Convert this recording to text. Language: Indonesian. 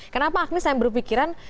kenapa agni saya berpikiran